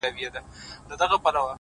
قرآن- انجیل- تلمود- گیتا به په قسم نيسې-